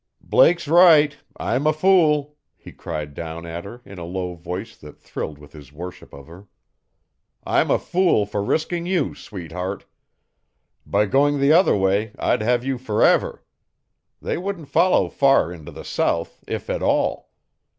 "Blake's right I'm a fool," he cried down at her in a low voice that thrilled with his worship of her. "I'm a fool for risking you, sweetheart. By going the other way I'd have you forever. They wouldn't follow far into the south, if at all.